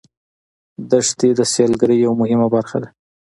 دښتې د سیلګرۍ یوه مهمه برخه ده.